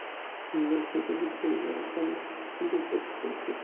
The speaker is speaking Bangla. ইংলণ্ড হইতে অক্ষয়ের একখানি সুন্দর পত্র পাইয়াছি।